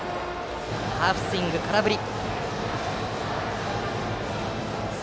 ハーフスイング、空振り。